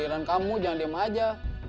giliran kamu jangan diem aja